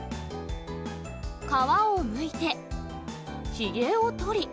皮をむいて、ひげを取り。